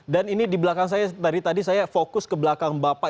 dan ini di belakang saya dari tadi saya fokus ke belakang bapak